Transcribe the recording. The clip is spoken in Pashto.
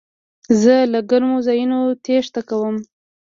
زه له ګرمو ځایونو تېښته کوم.